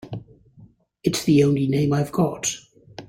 It's the only name I've got.